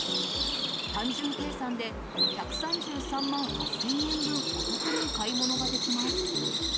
単純計算で１３３万８０００円分、お得に買い物ができます。